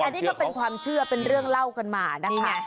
อันนี้ก็เป็นความเชื่อเป็นเรื่องเล่ากันมานะคะ